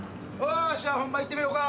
じゃあ本番いってみようか。